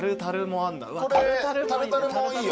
タルタルもいいよ。